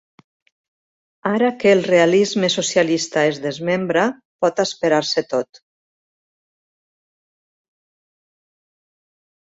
Ara que el realisme socialista es desmembra, pot esperar-se tot.